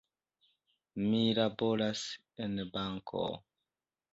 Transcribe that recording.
Mi laboras en banko.